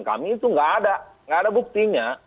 kami itu nggak ada nggak ada buktinya